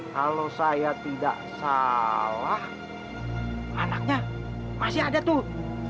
kalau saya tidak salah anaknya masih ada tuh